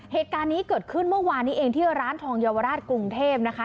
เหตุการณ์นี้เกิดขึ้นเมื่อวานนี้เองที่ร้านทองเยาวราชกรุงเทพนะคะ